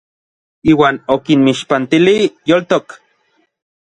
Iuan okinmixpantilij yoltok.